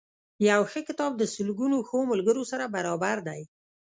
یو ښه کتاب د سلګونو ښو ملګرو سره برابر دی.